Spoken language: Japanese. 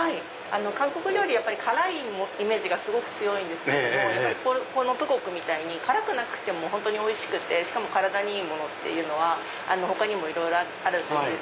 韓国料理辛いイメージがすごく強いんですけどもこのプゴクみたいに辛くなくても本当においしくてしかも体にいいものというのは他にもいろいろあるんですけど。